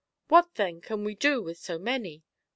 What then can we do with so many